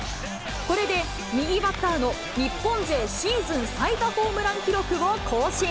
これで右バッターの日本勢シーズン最多ホームラン記録を更新。